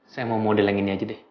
saya mau model yang ini aja deh